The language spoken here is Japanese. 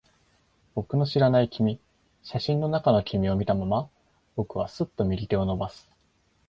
僕の知らない君。写真の中の君を見たまま、僕はすっと右手を伸ばす。